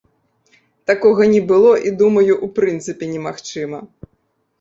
Такога не было, і думаю, у прынцыпе немагчыма.